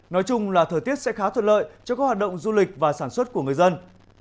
nói chung là thời tiết sẽ khá thuận lợi cho các hoạt động du lịch và sản xuất của người dân